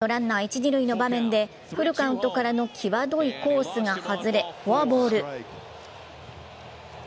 しかし６回、ノーアウトランナー一・二塁の場面でフルカウントからのきわどいコースが外れフォアボール。